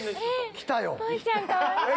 来たよ！